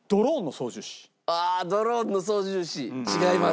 ああドローンの操縦士違います。